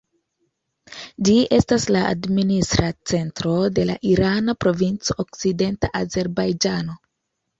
Ĝi estas la administra centro de la irana provinco Okcidenta Azerbajĝano.